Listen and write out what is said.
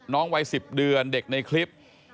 วัย๑๐เดือนเด็กในคลิป